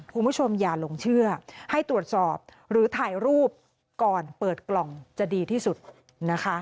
คุณผู้ชมอย่าหลงเชื่อให้ตรวจสอบหรือถ่ายรูปก่อนเปิดกล่องจะดีที่สุดนะคะ